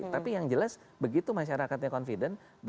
tapi yang jelas begitu masyarakatnya confident